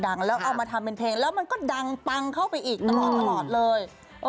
ต้องเอามาทำเป็นเพลงแล้วมันก็ดังทั่วอยู่ตลอดเลย